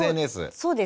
そうですね。